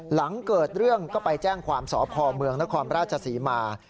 หลังเกิดเรื่องก็ไปแจ้งความสอบพอเมืองและความราชสีมา